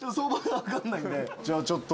じゃあちょっと。